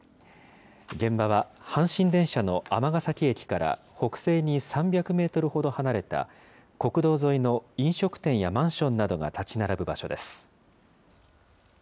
現場は阪神電車の尼崎駅から北西に３００メートルほど離れた、国道沿いの飲食店やマンションなどが建ち並ぶ場所です。